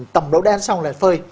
tầm đậu đen xong là phơi